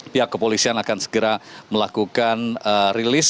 pihak kepolisian akan segera melakukan rilis